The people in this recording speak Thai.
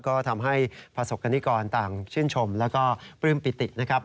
ก็ทำให้ประสบกรณิกรต่างชื่นชมแล้วก็ปลื้มปิตินะครับ